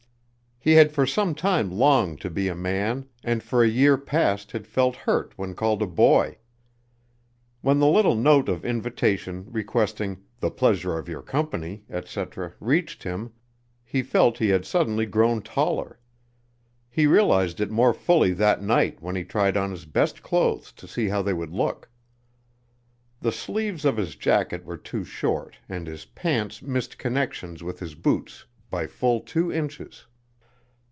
He had for some time longed to be a man, and for a year past had felt hurt when called a boy. When the little note of invitation, requesting "the pleasure of your company," etc., reached him, he felt he had suddenly grown taller. He realized it more fully that night when he tried on his best clothes to see how they would look. The sleeves of his jacket were too short and his pants missed connections with his boots by full two inches.